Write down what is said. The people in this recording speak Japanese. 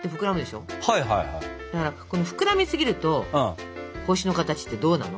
ただ膨らみすぎると星の形ってどうなの？